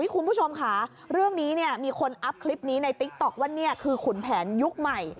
คุณผู้ชมค่ะเรื่องนี้มีคนอัพคลิปนี้ในติ๊กต๊อกว่านี่คือขุนแผนยุคใหม่